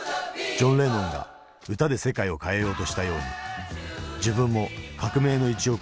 ジョン・レノンが歌で世界を変えようとしたように自分も革命の一翼を担いたい。